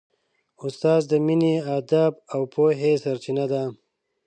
استاد د مینې، ادب او پوهې سرچینه ده.